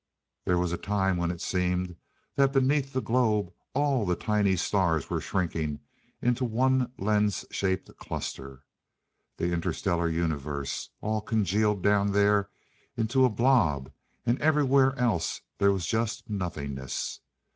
There was a time when it seemed that beneath the globe all the tiny stars were shrinking into one lens shaped cluster. The Inter stellar Universe all congealed down there into a blob, and everywhere else there was just nothingness....